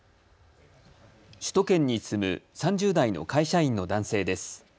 首都圏に住む３０代の会社員の男性です。